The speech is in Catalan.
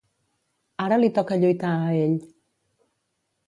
Ara li toca lluitar a ell.